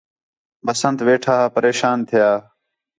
بسنٹ ویٹھا ہا پریشان تِھیا